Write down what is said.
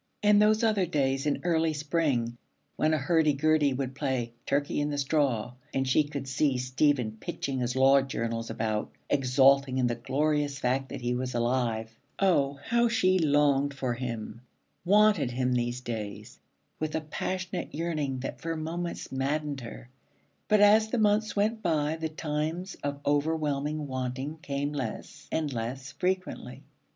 And those other days in early spring, when a hurdy gurdy would play 'Turkey in the Straw,' and she could see Stephen pitching his Law Journals about, exulting in the glorious fact that he was alive. Oh, how she longed for him, wanted him these days with a passionate yearning that for moments maddened her. But as the months went by the times of overwhelming wanting came less and less frequently.